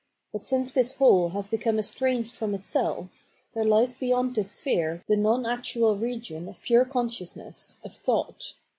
But since this whole has become estranged from itself, there lies beyond this sphere the nonactual region of pure consciousness, of thought.